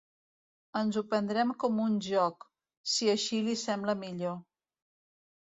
Ens ho prendrem com un joc, si així li sembla millor.